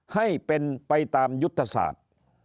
ให้เป็นไปตามยุทธศาสตร์